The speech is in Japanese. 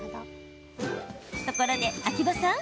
ところで、秋葉さん